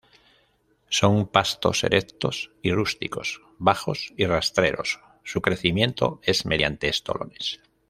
Son pastos erectos y rústicos, bajos y rastreros, su crecimiento es mediante estolones.